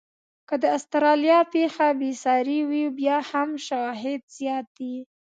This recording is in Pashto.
که د استرالیا پېښه بې ساري وه، بیا هم شواهد زیات دي.